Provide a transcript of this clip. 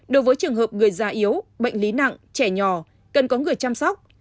đối với trường hợp người già yếu bệnh lý nặng trẻ nhỏ cần có người chăm sóc